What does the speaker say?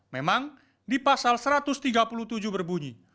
memang di pasal satu ratus tiga puluh tujuh berbunyi